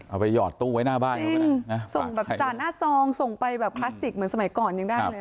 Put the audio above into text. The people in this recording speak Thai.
เอาไปหยอดตู้ไว้หน้าบ้าน